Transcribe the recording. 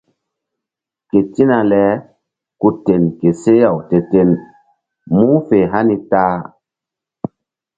Ketina le ku ten ke seh-aw te-ten mu̧h fe hani ta-a.